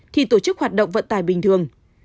thì tổ chức hoạt động vận tải bình thường